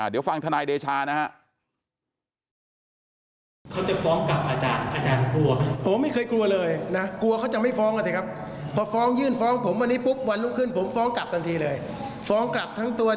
เดี๋ยวฟังทนายเดชานะครับ